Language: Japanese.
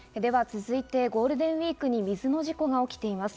続いてゴールデンウイークに水の事故が起きています。